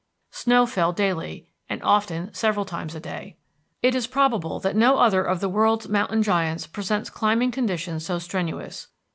Snow fell daily, and often several times a day. It is probable that no other of the world's mountain giants presents climbing conditions so strenuous.